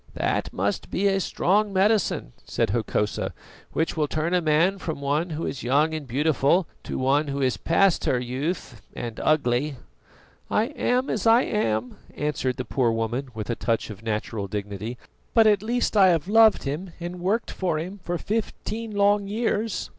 "That must be a strong medicine," said Hokosa, "which will turn a man from one who is young and beautiful to one who is past her youth and ugly." "I am as I am," answered the poor woman, with a touch of natural dignity, "but at least I have loved him and worked for him for fifteen long years."